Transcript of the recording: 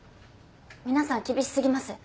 皆さん厳し過ぎます。